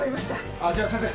ああじゃあ先生。